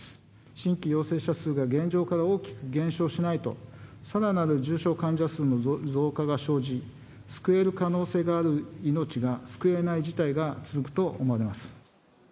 新規陽性者数が現状から大きく減少しないと、さらなる重症患者数の増加が生じ、救える可能性がある命が救えない事態が続くと思われます。